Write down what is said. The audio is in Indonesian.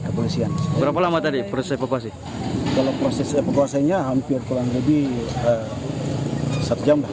kalau proses pekuasinya hampir kurang lebih satu jam